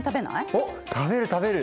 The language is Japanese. おっ食べる食べる！